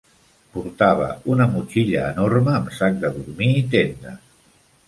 Portava una motxilla enorme, amb sac de dormir i tenda.